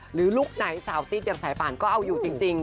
ลุคไหนสาวติ๊ดอย่างสายป่านก็เอาอยู่จริง